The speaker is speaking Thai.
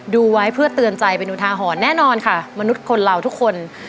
ดูไว้เพื่อเตือนใจเป็นอุทาหรณ์แน่นอนค่ะมนุษย์คนเราทุกคน